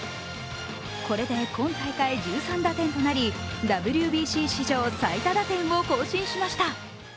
これで今大会１３打点となり、ＷＢＣ史上最多打点を更新しました。